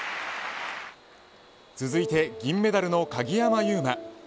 続いて銀メダルの鍵山優真